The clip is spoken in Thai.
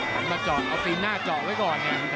หันมาเจาะเอาตีนหน้าเจาะไว้ก่อนเนี่ย